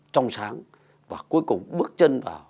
trong sáng và cuối cùng bước chân vào